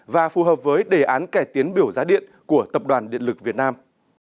và phù hợp với đề án cải tiến biểu giá điện của tập đoàn điện lực việt nam